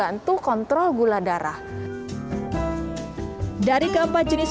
untuk dapat lebihavais beras